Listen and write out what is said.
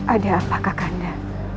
ada apa kakanda